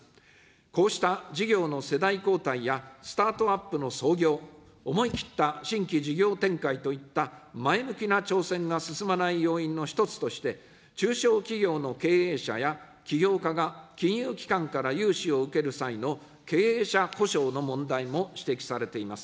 こうした事業の世代交代やスタートアップの創業、思い切った新規事業展開といった前向きな挑戦が進まない要因の一つとして、中小企業の経営者や起業家が金融機関から融資を受ける際の経営者保証の問題も指摘されています。